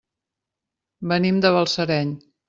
Venim de Balsareny.